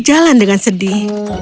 lina berbicara dengan sedih